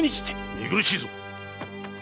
見苦しいぞ！